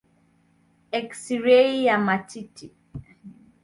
Eksirei ya matiti.